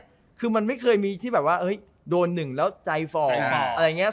สุดท้ายมันไม่เคยมีที่แบบว่าโดนหนึ่งแล้วใจฝ่า